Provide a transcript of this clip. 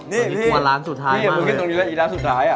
นี่นี่ร้านสุดท้ายมากเลย